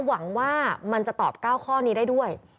หวังว่ามันจะตอบ๙ข้อนี้ได้ด้วย